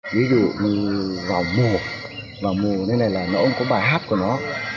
ví dụ vào mùa vào mùa này là nó cũng có bài hát của nó